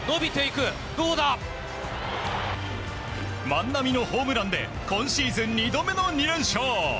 万波のホームランで今シーズン２度目の２連勝！